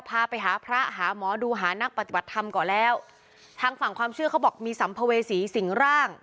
พาไปหาพระหาหมอดูหานักปฏิบัติธรรมก่อนแล้วทางฝั่งความเชื่อเขาบอกมีสัมภเวษีสิงร่าง